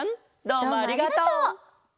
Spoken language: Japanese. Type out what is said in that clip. どうもありがとう！